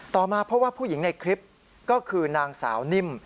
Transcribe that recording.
มาเพราะว่าผู้หญิงในคลิปก็คือนางสาวนิ่ม